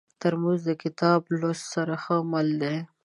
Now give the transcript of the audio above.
ترموز د کتاب لوست سره ښه مل دی.